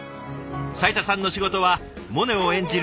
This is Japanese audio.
斉田さんの仕事はモネを演じる